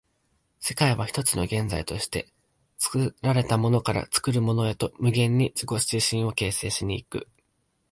世界は一つの現在として、作られたものから作るものへと無限に自己自身を形成し行く。